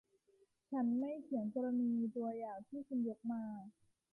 ฉันไม่เถียงกรณีตัวอย่างที่คุณยกมา